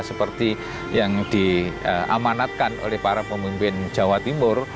seperti yang diamanatkan oleh para pemimpin jawa timur